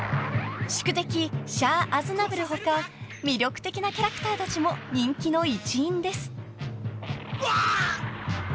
［宿敵シャア・アズナブル他魅力的なキャラクターたちも人気の一因です］